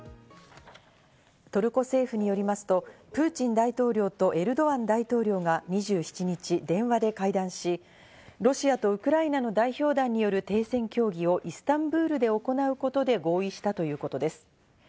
トルコ政府によりますとプーチン大統領とエルドアン大統領が２７日、電話で会談し、ロシアとウクライナの代表団による停戦協議をイスタンブールで行うことで合意したということです。